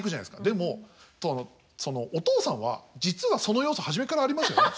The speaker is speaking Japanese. でもお父さんは実はその要素初めからありましたよね。